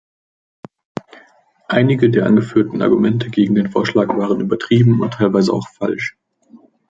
Einige der angeführten Argumente gegen den Vorschlag waren übertrieben und teilweise auch falsch.